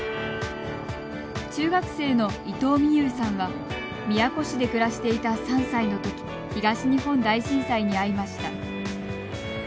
中学生の伊藤心結さんは宮古市で暮らしていた３歳のとき東日本大震災に遭いました。